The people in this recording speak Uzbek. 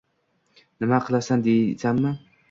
— Nima qilasan, deysanmi?